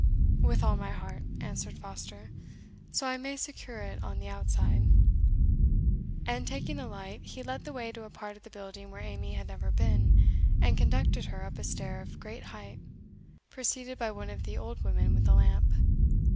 "With all my heart," answered Foster, "so I may secure it on the outside;" and taking a light, he led the way to a part of the building where Amy had never been, and conducted her up a stair of great height, preceded by one of the old women with a lamp.